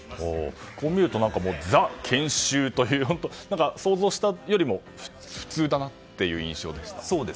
こう見るとザ・研修という感じで想像したよりも普通だなっていう印象でした。